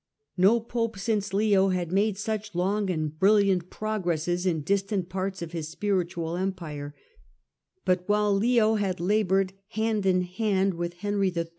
No pope since Leo had made such long and bnlliant progresses in distant parts of his spiritual empire ; but while Leo had laboured hand in hand with Henry III.